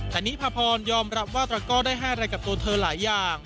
แต่นิพาพรยอมรับว่าตระก้อได้ให้อะไรกับตัวเธอหลายอย่าง